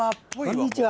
こんにちは。